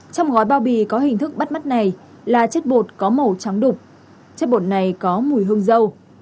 trong gói bao bì có hình thức bắt mắt này là chất bột có màu trắng đục chất bột này có mùi hương dâu